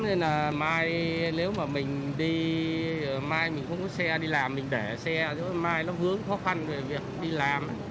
nên là mai nếu mà mình đi mai mình không có xe đi làm mình để xe mai nó vướng khó khăn về việc đi làm